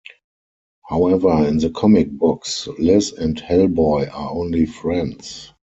However, in the comic books Liz and Hellboy are only friends.